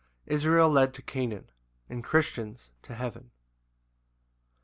Israel led to Canaan, and Christians to Heaven.